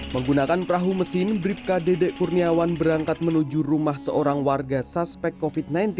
menggunakan perahu mesin bribka dede kurniawan berangkat menuju rumah seorang warga suspek covid sembilan belas